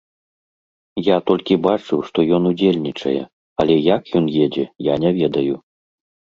Я толькі бачыў, што ён удзельнічае, але як ён едзе, я не ведаю.